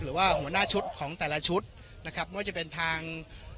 หรือว่าหัวหน้าชุดของแต่ละชุดนะครับไม่ว่าจะเป็นทาง